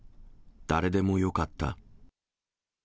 誰でもよかった。